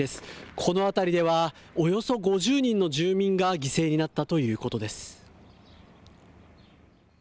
この辺りでは、およそ５０人の住民が犠牲になったということです。